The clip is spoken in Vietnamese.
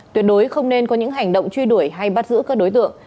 tuyệt đối không nên có những hành động truy đuổi hay bắt giữ các đối tượng